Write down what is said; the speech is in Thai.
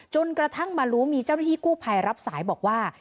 จนกระทั่งมารู้มีเจ้าหน้าที่กู้ภัยรับสายบอกว่า